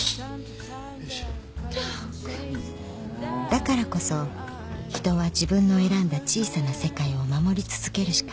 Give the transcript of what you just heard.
［だからこそ人は自分の選んだ小さな世界を守り続けるしかない］